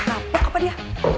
ngapain apa dia